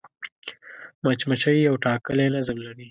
مچمچۍ یو ټاکلی نظم لري